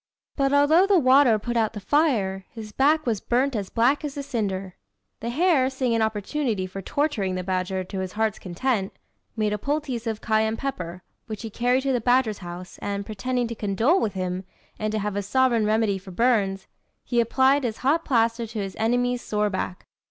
But, although the water put out the fire, his back was burnt as black as a cinder. The hare, seeing an opportunity for torturing the badger to his heart's content, made a poultice of cayenne pepper, which he carried to the badger's house, and, pretending to condole with him, and to have a sovereign remedy for burns, he applied his hot plaister to his enemy's sore back.